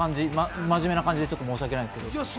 真面目な感じで申し訳ないんですけど。